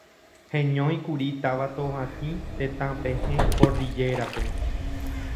heñóikuri táva Tovatĩ, tetãpehẽ Cordillera-pe